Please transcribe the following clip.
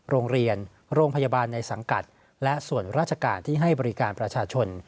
โรงเรียนโรงพยาบาลในสังกัดและส่วนราชการที่ให้บริการประชาชน